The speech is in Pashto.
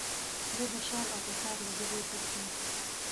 زه د شر او فساد له ژبې تښتم.